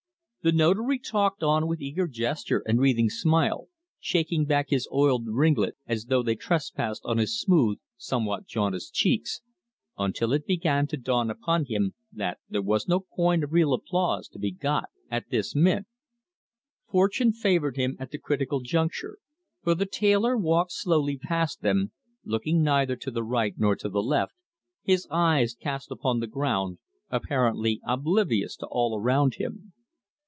The Notary talked on with eager gesture and wreathing smile, shaking back his oiled ringlets as though they trespassed on his smooth, somewhat jaundiced cheeks, until it began to dawn upon him that there was no coin of real applause to be got at this mint. Fortune favoured him at the critical juncture, for the tailor walked slowly past them, looking neither to right nor to left, his eyes cast upon the ground, apparently oblivious to all round him.